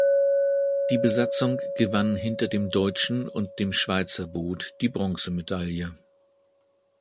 Die Besatzung gewann hinter dem deutschen und dem Schweizer Boot die Bronzemedaille.